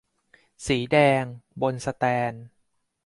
สีแดง บนแสตนด์